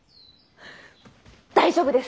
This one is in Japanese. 大丈夫です。